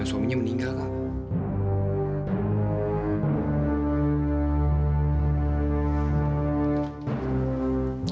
dan suaminya meninggal kak